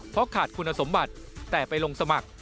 เพราะขาดคุณสมบัติแต่ไปลงสมัคร